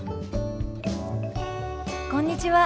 こんにちは。